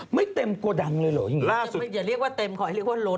ไม่เต็มกว่าดังเลยหรอ